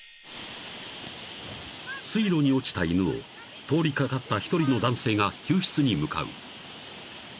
［水路に落ちた犬を通り掛かった１人の男性が救出に向かう］